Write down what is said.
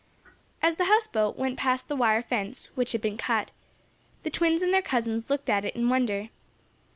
As the houseboat went past the wire fence, which had been cut, the twins and their cousins looked at it in wonder.